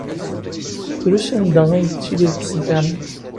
Drus anda ay yettili deg Internet.